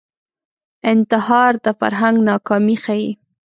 انتحار د فرهنګ ناکامي ښيي